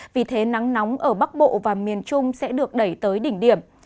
vì thế nắng nóng ở bắc bộ và miền trung sẽ được đẩy tới đỉnh điểm